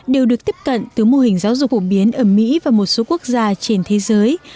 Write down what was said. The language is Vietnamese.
đều được tiếp cận từ mô hình giáo dục phổ biến ở mỹ và một số quốc gia trên thế giới